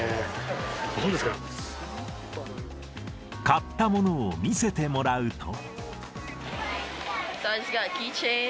買ったものを見せてもらうと。